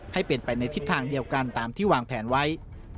ให้เป็นไปในทิศทางเดียวกันตามที่วางแผนไว้